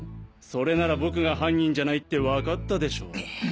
それなら僕が犯人じゃないってわかったでしょう？